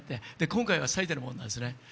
今回は最たるものなんですね。